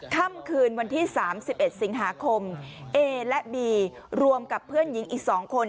ค่ำคืนวันที่๓๑สิงหาคมเอและบีรวมกับเพื่อนหญิงอีก๒คน